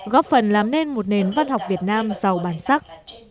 góp phần làm nên một nền văn học việt nam giàu bản sắc